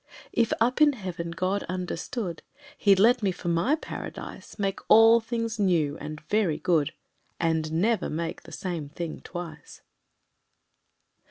If, up in Heaven, God understood He'd let me for my Paradise Make all things new and very good And never make the same thing twice!